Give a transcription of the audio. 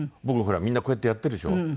僕ほらみんなこうやってやってるでしょ。